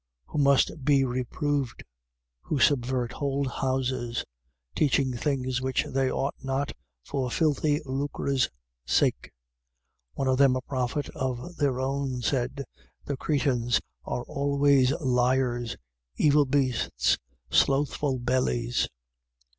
1:11. Who must be reproved, who subvert whole houses, teaching things which they ought not, for filthy lucre's sake. 1:12. One of them a prophet of their own, said: The Cretans are always liars, evil beasts, slothful bellies.